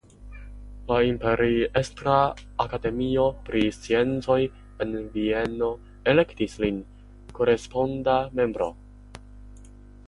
La Imperiestra akademio pri sciencoj en Vieno elektis lin koresponda membro.